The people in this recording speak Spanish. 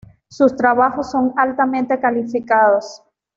Sus trabajos son altamente calificados.